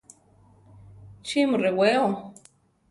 ¿Chí mu rewéo?